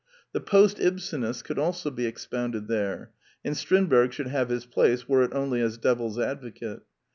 The post Ibsenists could also be expounded there ; and Strindberg should have his place, were it only as Devil's Advocate.